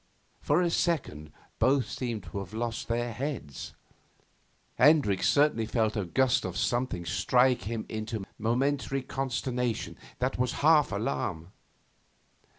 For a second both seemed to have lost their heads. Hendricks certainly felt a gust of something strike him into momentary consternation that was half alarm.